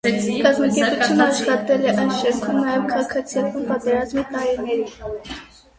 Կազմակերպությունն աշխատել է այս շենքում նաև քաղաքացիական պատերազմի տարիներին։